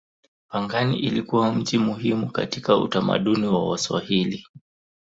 Pangani ilikuwa mji muhimu katika utamaduni wa Waswahili.